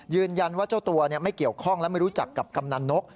เจ้าตัวไม่เกี่ยวข้องและไม่รู้จักกับกำนันนก